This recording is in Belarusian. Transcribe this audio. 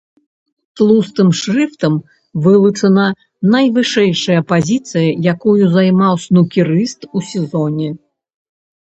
Тлустым шрыфтам вылучана найвышэйшая пазіцыя, якую займаў снукерыст у сезоне.